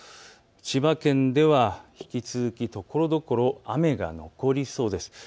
千葉県では引き続きところどころ雨が残りそうです。